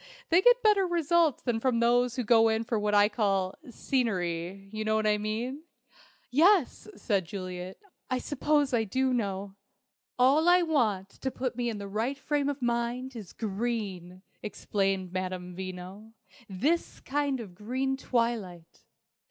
They get better results than from those who go in for what I call 'scenery'. You know what I mean?" "Yes," said Juliet, "I suppose I do know." "All I want to put me in the right frame of mind is green," explained Madame Veno, "this kind of green twilight."